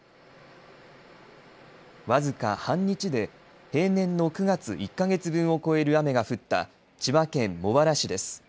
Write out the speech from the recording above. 僅か半日で平年の９月１か月分を超える雨が降った千葉県茂原市です。